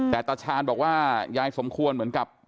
แต่ตาชาญบอกว่ายายสมควรเหมือนกับ